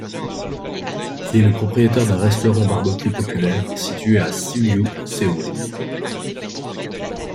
Il est le propriétaire d'un restaurant barbecue populaire, 먹&삼 생고기집, situé à Suyu, Séoul.